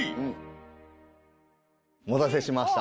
お待たせしました。